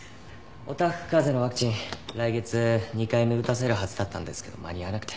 おたふくかぜのワクチン来月２回目打たせるはずだったんですけど間に合わなくて。